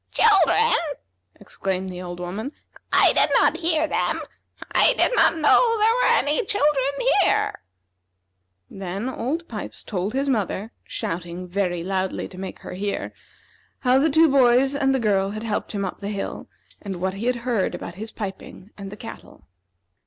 "Children!" exclaimed the old woman; "I did not hear them. I did not know there were any children here." Then Old Pipes told his mother, shouting very loudly to make her hear, how the two boys and the girl had helped him up the hill, and what he had heard about his piping and the cattle.